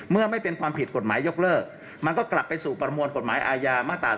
เมื่อไม่เป็นความผิดกฎหมายยกเลิกมันก็กลับไปสู่ประมวลกฎหมายอาญามาตรา๒